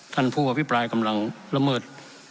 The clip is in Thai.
ท่านผู้อภิปรายกำลังละเมิด